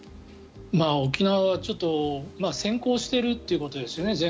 沖縄はちょっと先行しているということですね。